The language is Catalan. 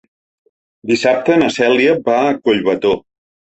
Dissabte na Cèlia va a Collbató.